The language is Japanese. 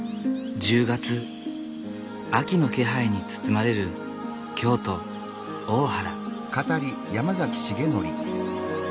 １０月秋の気配に包まれる京都・大原。